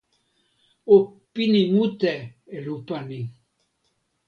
o pini mute e lupa ni.